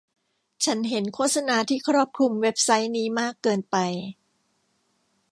ฉันเห็นโฆษณาที่ครอบคลุมเว็บไซต์นี้มากเกินไป